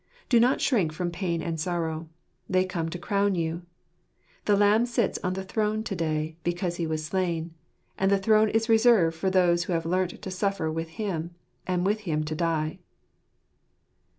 Do not shrink from pain and sorrow; they come to crown you. The Lamb sits on the throne to day because He was slain ; and the throne is reserved for those who have learnt to suffer with Him, and with Him to die.